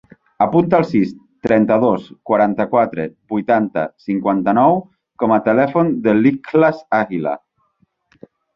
Apunta el sis, trenta-dos, quaranta-quatre, vuitanta, cinquanta-nou com a telèfon de l'Ikhlas Aguila.